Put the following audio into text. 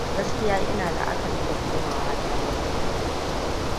Gaskiya ina la'akari da komawa ta Boston.